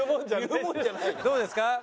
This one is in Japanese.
どうですか？